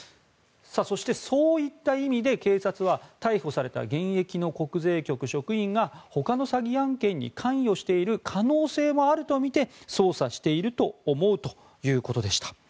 そして、そういった意味で警察は逮捕された現役の国税局職員がほかの詐欺案件に関与している可能性もあるとみて捜査していると思うということでした。